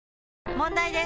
問題です！